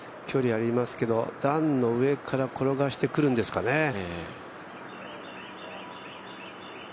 距離ありますけど、段の上から転がしてくるんですかね。